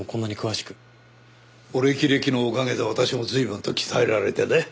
お歴々のおかげで私も随分と鍛えられてね。